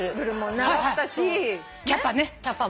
キャパね。